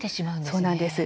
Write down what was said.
そうなんです。